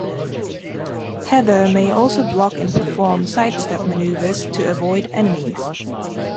Heather may also block and perform side-step maneuvers to avoid enemies.